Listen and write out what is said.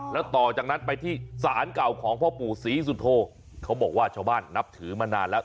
แล้วต่อจากนั้นไปที่ศาลเก่าของพ่อปู่ศรีสุโธเขาบอกว่าชาวบ้านนับถือมานานแล้ว